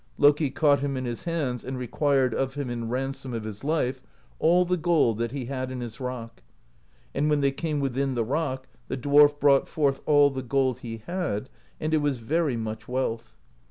Loki caught him in his hands and required of him in ransom of his life all the gold that he had in his rock; and when they came within the rock, the dwarf brought forth all the gold he had, and it was very much wealth.